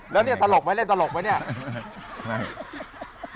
แล้วเนี่ยตลกไหมเล่นตลกไหมเนี่ย